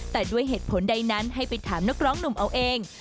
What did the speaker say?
แต่ด้วยเหตุผลใดนั้นให้ไปถามนักร้องหนุ่มเอาเอง